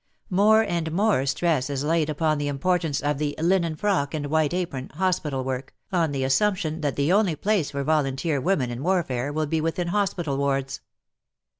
More and more stress is laid upon the importance of the "linen frock and white apron " hospital work, on the assump tion that the only place for volunteer women in warfare will be within hospital wards.